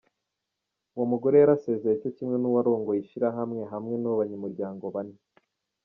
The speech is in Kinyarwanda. Uwo mugore yarasezeye co kimwe n'uwurongoye ishirahamwe hamwe n'abanyamuryango bane.